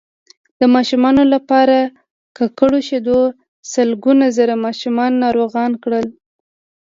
د ماشومانو لپاره ککړو شیدو سلګونه زره ماشومان ناروغان کړل